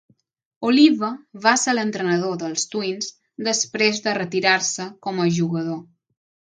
Oliva va ser l'entrenador dels Twins després de retirar-se com a jugador.